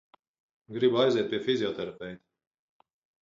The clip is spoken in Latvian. Gribu aiziet pie fizioterapeita.